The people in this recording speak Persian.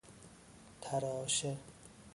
تراشه